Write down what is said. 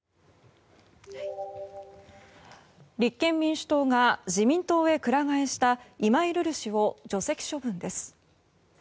立憲民主党が自民党へ鞍替えした今井瑠々氏を除籍処分です。